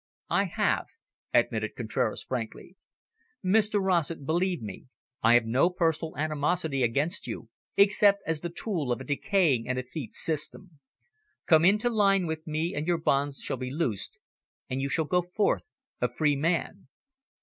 "I have," admitted Contraras frankly. "Mr Rossett, believe me, I have no personal animosity against you, except as the tool of a decaying and effete system. Come into line with me, and your bonds shall be loosed, and you shall go forth a free man."